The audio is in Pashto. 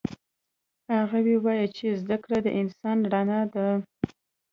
هغه وایي چې زده کړه د انسان رڼا ده